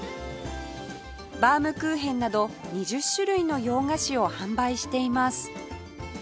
バウムクーヘンなど２０種類の洋菓子を販売しています